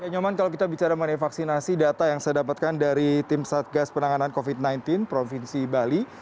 nyoman kalau kita bicara mengenai vaksinasi data yang saya dapatkan dari tim satgas penanganan covid sembilan belas provinsi bali